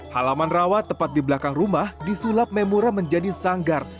halaman rawat tepat di belakang rumah disulap memura menjadi sanggar